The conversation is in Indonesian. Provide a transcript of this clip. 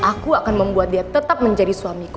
aku akan membuat dia tetap menjadi suamiku